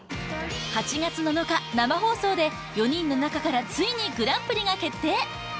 ８月７日生放送で４人の中からついにグランプリが決定！